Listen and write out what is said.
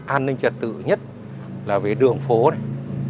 an ninh trật tự nhất là về đường phố này